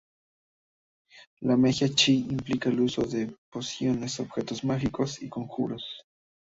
La magia Chi implica el uso de pociones, objetos mágicos y conjuros.